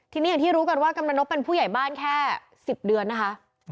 ทีนี้อย่างที่รู้กันว่ากำลังนกเป็นผู้ใหญ่บ้านแค่๑๐เดือนนะคะ